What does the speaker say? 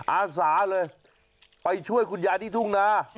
อาสาเลยไปช่วยคุณยายที่ทุ่งนา